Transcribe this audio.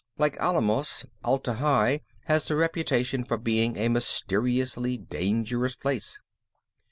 Like Alamos, Atla Hi has the reputation for being a mysteriously dangerous place.